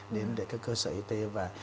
để các cơ sở y tế